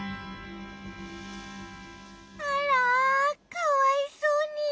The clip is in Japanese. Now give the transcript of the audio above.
あらかわいそうに。